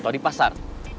atau di pasar